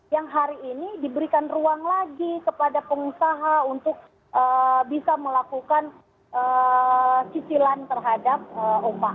yang hari ini diberikan ruang lagi kepada pengusaha untuk bisa melakukan cicilan terhadap upah